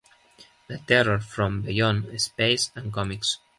The Terror from Beyond Space en còmics.